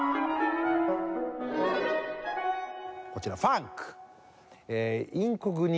こちらファンク！